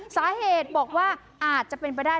สาเหตุบอกว่าอาจจะเป็นไปได้